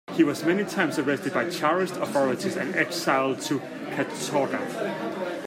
He was many times arrested by tsarist authorities and exiled to katorga.